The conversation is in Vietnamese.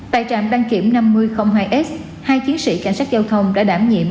tại trạm đăng kiểm năm mươi hai s hai chiến sĩ cảnh sát giao thông đã đảm nhiệm